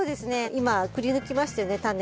今くりぬきましたよね種を。